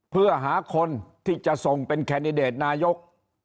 เพื่อหาคนที่จะส่งเป็นแคนดิเดตนายก